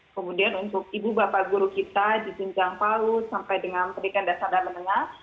kemudian untuk ibu bapak guru kita di jenjang paut sampai dengan pendidikan dasar dan menengah